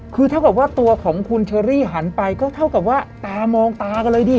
คือเท่ากับว่าตัวของคุณเชอรี่หันไปก็เท่ากับว่าตามองตากันเลยดิ